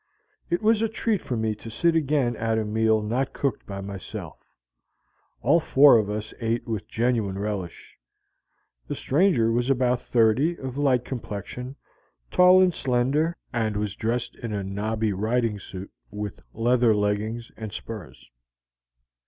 It was a treat for me to sit again at a meal not cooked by myself; all four of us ate with genuine relish. The stranger was about thirty, of light complexion, tall and slender, and was dressed in a nobby riding suit, with leather leggings and spurs.